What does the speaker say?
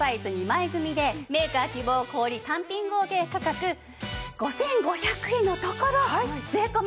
２枚組でメーカー希望小売単品合計価格５５００円のところ税込